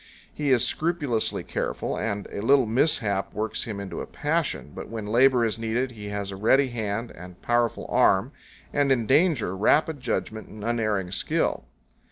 He is scrupulously careful, and a little mishap works him into a passion, powell canyons 79.jpg VIEW IN SICHUMOVI. but when labor is needed he has a ready hand and powerful arm, and in danger, rapid judgment and unerring skill.